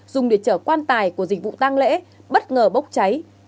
dùng để chở quan tài của dịch vụ tăng lễ bất ngờ bốc cháy